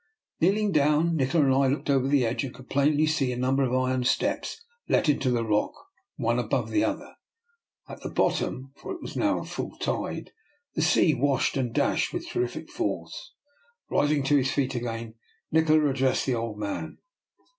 Kneel ing down, Nikola and I looked over the edge and could plainly see a number of iron steps let into the rock one above the other. At the bottom — for it was now full tide — the sea washed and dashed with terrific force. Ris ing to his feet again, Nikola addressed the old man.